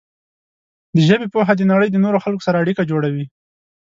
د ژبې پوهه د نړۍ د نورو خلکو سره اړیکه جوړوي.